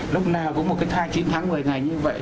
lúc nào cũng một cái thai chín tháng một mươi ngày như vậy